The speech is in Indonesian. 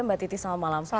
mbak titi selamat malam